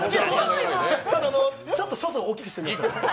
ちょっと所作を大きくしてみました。